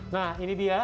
nah ini dia